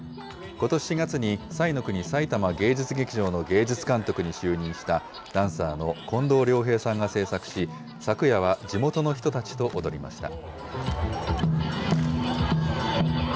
ことし４月に彩の国さいたま芸術劇場の芸術監督に就任した、ダンサーの近藤良平さんが制作し、昨夜は地元の人たちと踊りました。